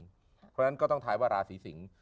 เพราะฉะนั้นก็ต้องท้ายว่าราศีสิงศ์